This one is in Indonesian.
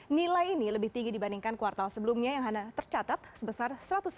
nilai ini lebih tinggi dibandingkan kuartal sebelumnya yang hanya tercatat sebesar satu ratus enam puluh